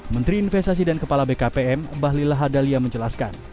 menteri investasi dan kepala bkpm bahlil lahadalia menjelaskan